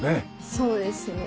そうですね。